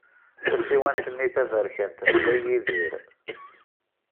Tasiwant-nni taberkant n Dda Yidir.